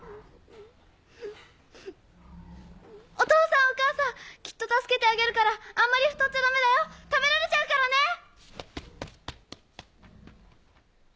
お父さんお母さんきっと助けてあげるからあんまり太っちゃダメだよ食べられちゃうからね！